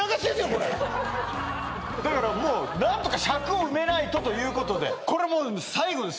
これだからもう何とか尺を埋めないとということでこれも最後です